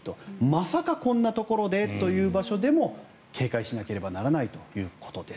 まさかこんなところでという場所でも警戒しなければならないということです。